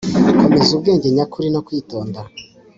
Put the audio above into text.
komeza ubwenge nyakuri no kwitonda